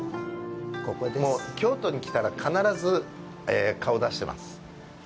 もう京都に来たら、必ず顔を出してます。